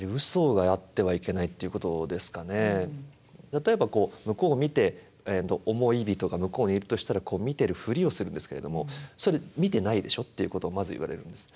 例えばこう向こうを見て思い人が向こうにいるとしたらこう見てるふりをするんですけれども「それ見てないでしょ？」っていうことをまず言われるんです。